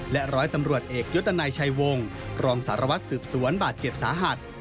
ร้อยตำรวจเอกยศตนัยชัยวงศ์รองสารวัตรสืบสวนบาดเจ็บสาหัส